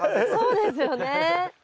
そうですよね。